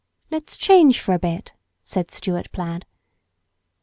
"Let's change for a bit," said Stuart plaid.